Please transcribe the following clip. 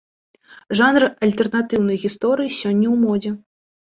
Жанр альтэрнатыўнай гісторыі сёння ў модзе.